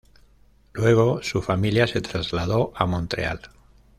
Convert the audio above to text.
Luego su familia se trasladó a Montreal.